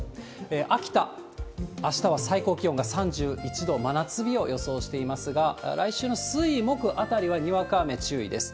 秋田、あしたは最高気温が３１度、真夏日を予想していますが、来週の水、木あたりはにわか雨注意です。